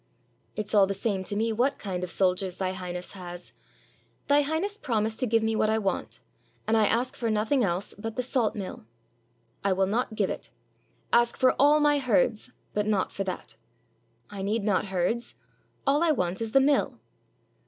"It 's all the same to me what kind of soldiers Thy Highness has. Thy Highness promised to give me what I want, and I ask for nothing else but the salt mill." "I will not give it. Ask for all my herds, but not for that." "I need not herds; all I want is the mill."